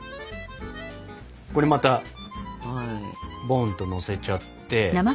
これまたボンとのせちゃって。